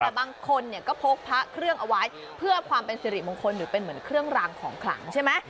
แต่บางคนเนี่ยก็พกพระเครื่องเอาไว้เพื่อความเป็นสิริมงคลหรือเป็นเหมือนเครื่องรางของขลังใช่ไหม